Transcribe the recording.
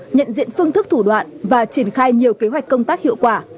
nhận diện phương thức thủ đoạn và triển khai nhiều kế hoạch công tác hiệu quả